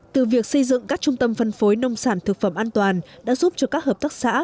từ việc xây dựng các trung tâm phân phối nông sản thực phẩm an toàn đã giúp cho các hợp tác xã